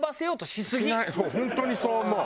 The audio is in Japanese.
本当にそう思う。